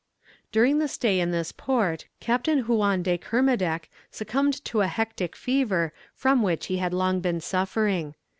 During the stay in this port Captain Huon de Kermadec succumbed to a hectic fever from which he had long been suffering.